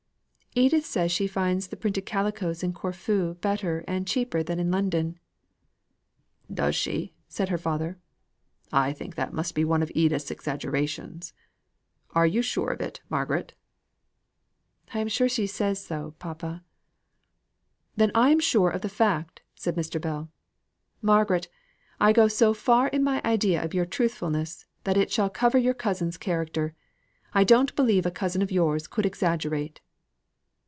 "Edith says she finds the printed calicoes in Corfu better and cheaper than in London." "Does she?" said her father, "I think that must be one of Edith's exaggerations. Are you sure of it, Margaret?" "I am sure she says so, papa." "Then I am sure of the fact," said Mr. Bell. "Margaret, I go so far in my idea of your truthfulness, that it shall cover your cousin's character. I don't believe a cousin of yours could exaggerate."